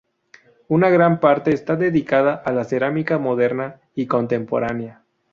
Una gran parte está dedicada a la cerámica moderna y contemporánea.